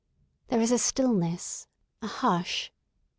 There is a stillness, a hush.